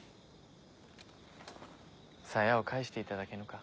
鞘を返していただけぬか。